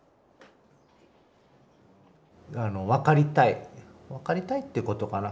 あの分かりたい分かりたいっていうことかな。